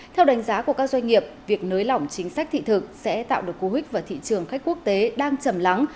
theo đánh giá của các doanh nghiệp việc nới lỏng chính sách thị thực sẽ tạo được cú hích vào thị trường khách quốc tế đang chầm lắng